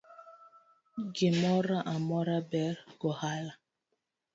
Gimoro amora ber gohala